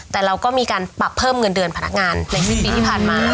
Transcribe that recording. แต่เราก็มีการปรับเพิ่มเงินเดือนพนักงานในสิ้นปีที่ผ่านมา